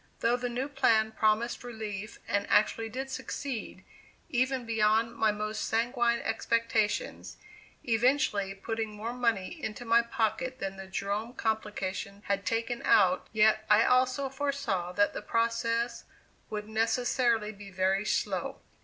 Though the new plan promised relief, and actually did succeed, even beyond my most sanguine expectations, eventually putting more money into my pocket than the Jerome complication had taken out yet I also foresaw that the process would necessarily be very slow.